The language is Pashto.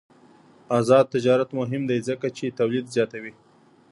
آزاد تجارت مهم دی ځکه چې تولید زیاتوي.